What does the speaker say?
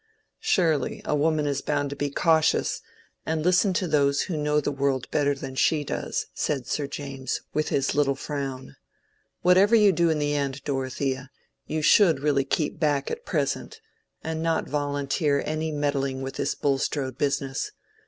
"Surely, a woman is bound to be cautious and listen to those who know the world better than she does." said Sir James, with his little frown. "Whatever you do in the end, Dorothea, you should really keep back at present, and not volunteer any meddling with this Bulstrode business.